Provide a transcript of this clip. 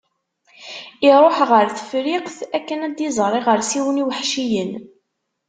Iruḥ ɣer Tefriqt akken ad d-iẓer iɣersiwen iweḥciyen.